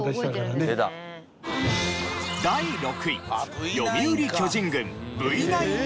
第６位読売巨人軍Ｖ９達成。